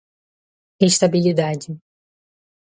estabilidade